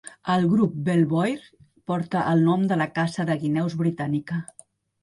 El grup "Belvoir" porta el nom de la caça de guineus britànica.